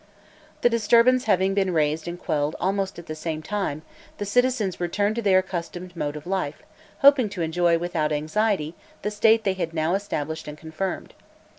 This disturbance having been raised and quelled almost at the same time, the citizens returned to their accustomed mode of life, hoping to enjoy, without anxiety, the state they had now established and confirmed.